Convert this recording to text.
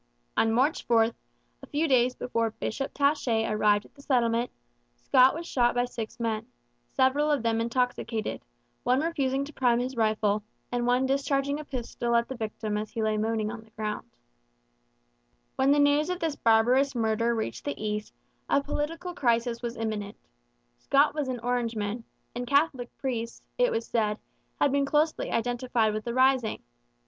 On March 4, a few days before Bishop Taché arrived at the settlement, Scott was shot by six men, several of them intoxicated, one refusing to prime his rifle, and one discharging a pistol at the victim as he lay moaning on the ground. [Illustration: Alexandre Antonin Taché. From a photograph lent by Rev. L. Messier, St. Boniface.] When the news of this barbarous murder reached the East, a political crisis was imminent. Scott was an Orangeman; and Catholic priests, it was said, had been closely identified with the rising.